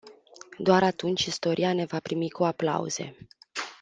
Doar atunci istoria ne va primi cu aplauze.